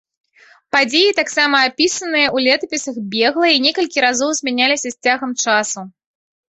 Падзеі таксама апісаныя ў летапісах бегла і некалькі разоў змяняліся з цягам часу.